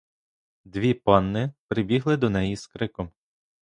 Дві панни прибігли до неї з криком.